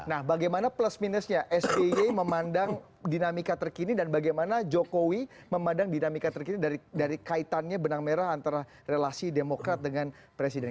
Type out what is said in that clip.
nah bagaimana plus minusnya sby memandang dinamika terkini dan bagaimana jokowi memandang dinamika terkini dari kaitannya benang merah antara relasi demokrat dengan presiden